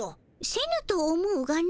せぬと思うがの。